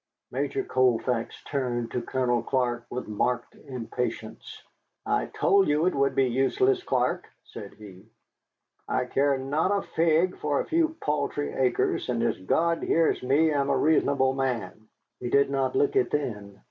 Major Colfax turned to Colonel Clark with marked impatience. "I told you it would be useless, Clark," said he. "I care not a fig for a few paltry acres, and as God hears me I'm a reasonable man." (He did not look it then.)